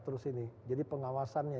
terus ini jadi pengawasannya